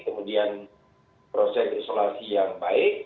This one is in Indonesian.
kemudian proses isolasi yang baik